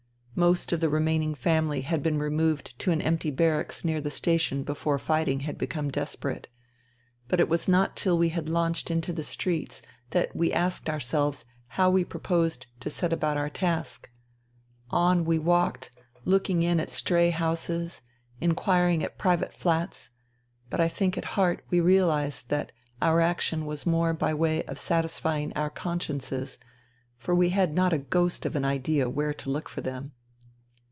Most of the remaining family had been removed to an empty barracks near the station before fight ing had become desperate. But it was not till we INTERVENING IN SIBERIA 179 had launched into the streets that we asked our selves how we proposed to set about our task. On we walked, looking in at stray houses, inquiring at private flats ; but I think at heart we realized that our action was more by way of satisfying our con sciences, for we had not a ghost of an idea where to look for them.